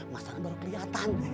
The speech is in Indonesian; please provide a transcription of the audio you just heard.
masalah baru keliatan